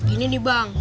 ini nih bang